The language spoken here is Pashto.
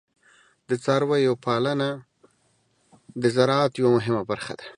د څارویو پالنه د زراعت یوه مهمه برخه ده.